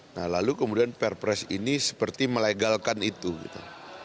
nah lalu kemudian perpres ini seperti melegalkan itu gitu